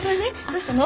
どうしたの？